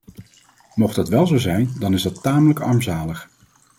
Mocht dat wel zo zijn dan is dat tamelijk armzalig.